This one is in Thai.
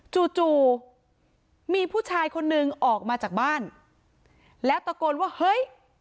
จู่มีผู้ชายคนนึงออกมาจากบ้านแล้วตะโกนว่าเฮ้ย